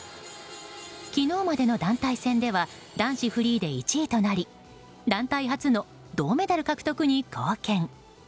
昨日までの団体戦では男子フリーで１位となり団体初の銅メダル獲得に貢献。